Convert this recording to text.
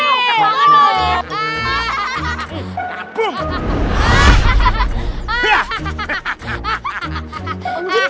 udah opet banget domo ini